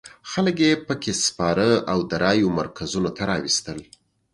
خلک یې په کې سپاره او د رایو مرکزونو ته راوستل.